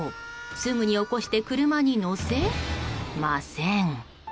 すぐに起こして車に載せません。